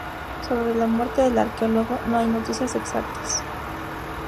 Sobre la muerte del arqueólogo no hay noticias exactas.